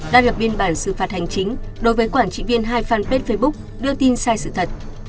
đã lập biên bản xử phạt hành chính đối với quản trị viên hai fanpage facebook đưa tin sai sự thật